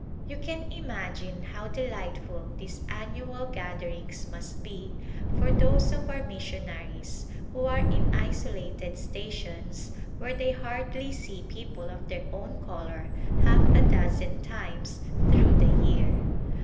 You can imagine how delightful these annual gatherings must be for those of our mis sionaries who are in isolated stations where they hardly see people of their own color half a dozen times through the year.